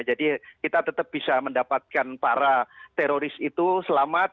jadi kita tetap bisa mendapatkan para teroris itu selamat